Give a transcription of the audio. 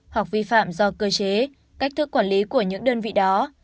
hoặc vi phạm do cơ chế cách thức quản lý của những đơn vị đó